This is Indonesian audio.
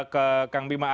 ke kang bima arya